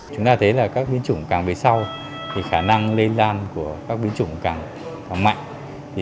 chúng ta thấy là các biến chủng càng về sau thì khả năng lây lan của các biến chủng càng mạnh